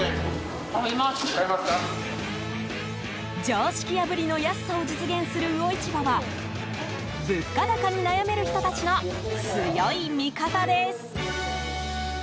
常識破りの安さを実現する魚市場は物価高に悩める人たちの強い味方です。